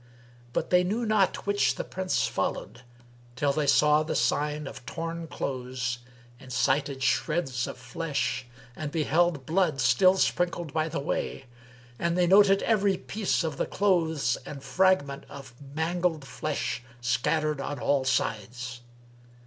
But they knew not which the Prince followed, till they saw the sign of torn clothes and sighted shreds of flesh and beheld blood still sprinkled by the way and they noted every piece of the clothes and fragment of mangled flesh scattered on all sides.